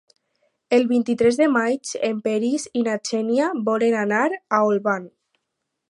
El vint-i-tres de maig en Peris i na Xènia volen anar a Olvan.